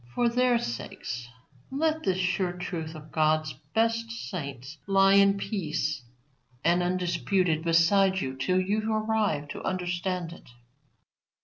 For their sakes let this sure truth of God's best saints lie in peace and undisputed beside you till you arrive to understand it.